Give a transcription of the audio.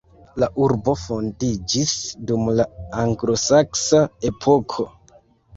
La urbo fondiĝis dum la anglosaksa epoko.